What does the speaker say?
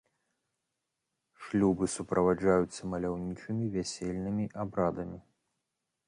Шлюбы суправаджаюцца маляўнічымі вясельнымі абрадамі.